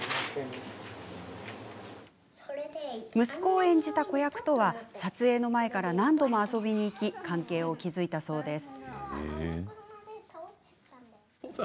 息子を演じた子役とは撮影の前から何度も遊びに行き関係を築いたそうです。